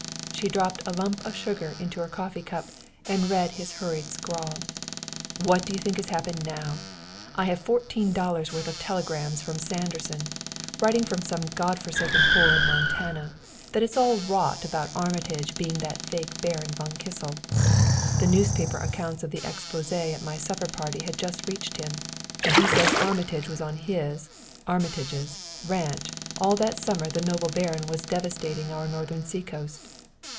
She dropped a lump of sugar into her coffee cup and read his hurried scrawl: "What do you think has happened now? I have fourteen dollars' worth of telegrams from Sanderson wiring from some God forsaken hole in Montana, that it's all rot about Armitage being that fake Baron von Kissel. The newspaper accounts of the exposé at my supper party had just reached him, and he says Armitage was on his (Armitage's) ranch all that summer the noble baron was devastating our northern sea coast.